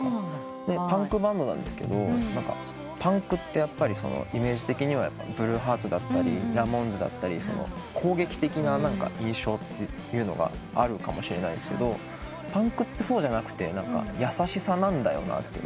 パンクバンドなんですけどパンクってやっぱりイメージ的にはブルーハーツだったりラモーンズだったり攻撃的な印象があるかもしれないんですけどパンクってそうじゃなくて優しさなんだよなって。